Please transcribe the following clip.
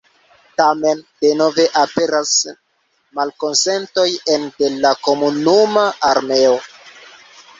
Tamen denove aperas malkonsentoj ene de la komunuma armeo.